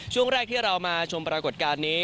ช่วงแรกที่เรามาชมปรากฏการณ์นี้